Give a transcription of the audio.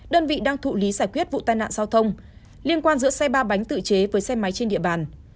đơn vị đang thụ lý giải quyết vụ tai nạn giao thông liên quan giữa xe ba bánh tự chế với xe máy trên địa bàn